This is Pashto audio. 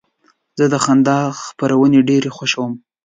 زه د خندا خپرونې ډېرې خوښوم.